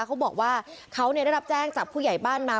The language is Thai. เขาบอกว่าเขาได้รับแจ้งจากผู้ใหญ่บ้านมา